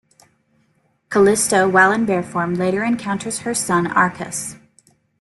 Callisto, while in bear form, later encounters her son Arcas.